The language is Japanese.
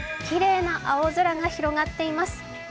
きれいな青空が広がっています。